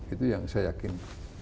itu yang saya yakin